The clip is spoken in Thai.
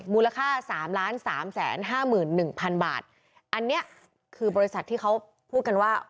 มูลค่า๓๓๕๑๐๐๐บาทอันนี้คือบริษัทที่เขาพูดกันว่า